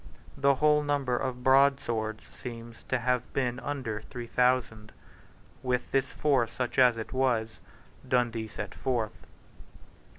The whole number of broadswords seems to have been under three thousand. With this force, such as it was, Dundee set forth.